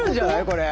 これ。